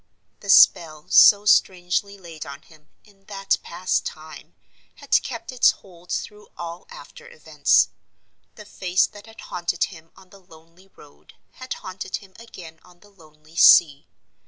The spell so strangely laid on him, in that past time, had kept its hold through all after events. The face that had haunted him on the lonely road had haunted him again on the lonely sea.